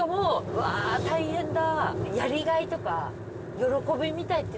うわ大変だ。